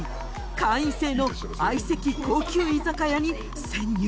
会員制の相席高級居酒屋に潜入。